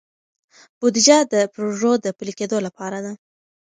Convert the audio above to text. بودیجه د پروژو د پلي کیدو لپاره ده.